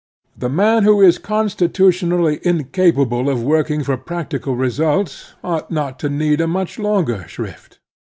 The man who is constitutionally incapable of working for practical results ought not to need a much longer shrift.